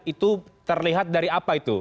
itu terlihat dari apa itu